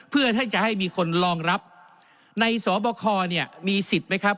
เพื่อให้จะให้มีคนรองรับในสบคเนี่ยมีสิทธิ์ไหมครับ